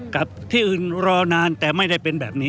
กับที่อื่นรอนานแต่ไม่ได้เป็นแบบนี้